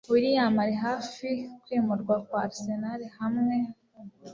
Willian ari hafi kwimurwa kwa Arsenal hamwe